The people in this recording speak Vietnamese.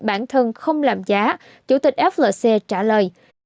bản thân không làm giá chủ tịch flc trả lời